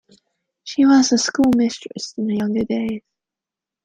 She was a schoolmistress in her younger days.